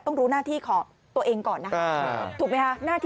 ต้องรู้หน้าที่ของตัวเองก่อนนะ